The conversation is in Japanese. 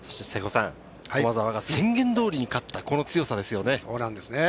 駒澤が宣言通り勝った、この強さですね。